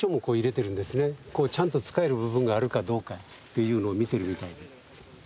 ちゃんと使える部分があるかどうかっていうのを見てるみたいで。